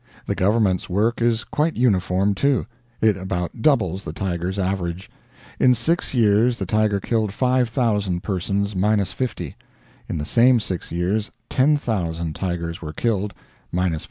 The government's work is quite uniform, too; it about doubles the tiger's average. In six years the tiger killed 5,000 persons, minus 50; in the same six years 10,000 tigers were killed, minus 400.